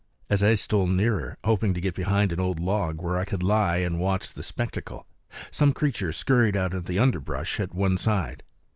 As I stole nearer, hoping to get behind an old log where I could lie and watch the spectacle, some creature scurried out of the underbrush at one side.